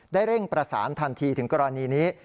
เร่งประสานทันทีถึงกรณีนี้